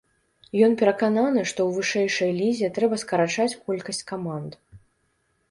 Ён перакананы, што ў вышэйшай лізе трэба скарачаць колькасць каманд.